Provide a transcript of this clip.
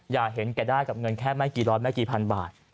อยากเห็นแกได้กับเงินแค่ไม่กี่ร้อยไม่กี่พันบาท